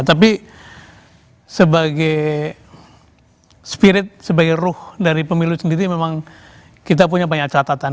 tapi sebagai spirit sebagai ruh dari pemilu sendiri memang kita punya banyak catatan